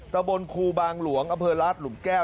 ตะบนครูบางหลวงอำเภอราชหลุมแก้ว